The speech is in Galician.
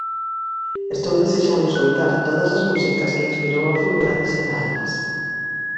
Estou desexando escoitar todas as músicas que inspirou a figura de Xela Arias.